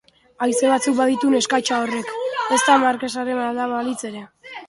Haize batzuk baditu neskatxa horrek!, ezta markesaren alaba balitz ere!